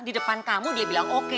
di depan kamu dia bilang oke